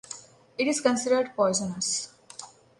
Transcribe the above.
It is considered poisonous.